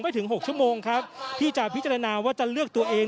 ถึง๖ชั่วโมงครับที่จะพิจารณาว่าจะเลือกตัวเอง